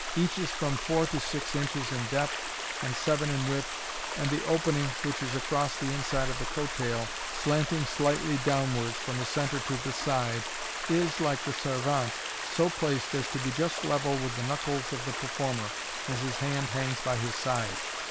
Each is from four to six inches in depth and seven in width, and the opening, which is across the inside of the coat tail, slanting slightly downwards from the centre to the side, is, like the servante, so placed as to be just level with the knuckles of the per former, as his hand hangs by his side.